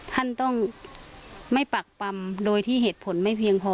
ท่านต้องไม่ปักปำโดยที่เหตุผลไม่เพียงพอ